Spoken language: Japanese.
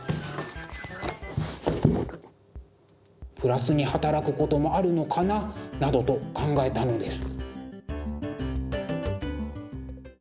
プラスに働くこともあるのかな？などと考えたのです。